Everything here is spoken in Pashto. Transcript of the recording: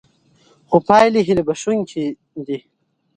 خو پایلې هیله بښوونکې دي.